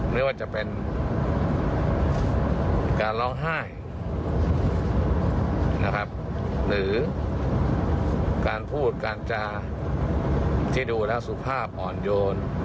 ไม่ว่าจะเป็นการร้องไห้นะครับหรือการพูดการจาที่ดูแล้วสุภาพอ่อนโยน